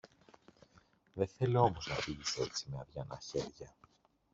Δε θέλω όμως να φύγεις έτσι, με αδειανά χέρια.